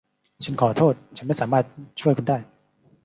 ฉันขอโทษ ฉันไม่สามารถช่วยคุณได้